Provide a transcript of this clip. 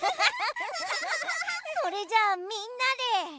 それじゃあみんなで。